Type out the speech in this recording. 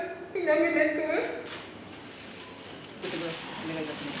お願いいたします。